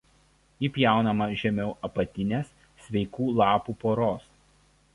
Ji pjaunama žemiau apatinės sveikų lapų poros.